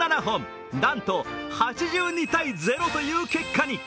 なんと８２ー０という結果に。